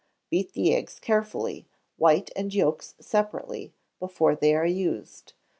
Beat the eggs carefully, white and yolks separately, before they are used.